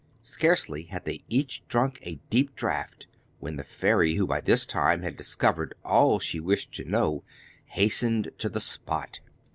Scarcely had they each drunk a deep draught, when the fairy, who by this time had discovered all she wished to know, hastened to the spot.